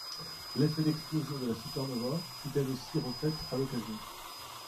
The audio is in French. L'effet d'explosion de la supernova fut elle aussi refaite à l'occasion.